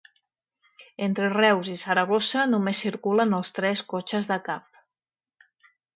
Entre Reus i Saragossa només circulen els tres cotxes de cap.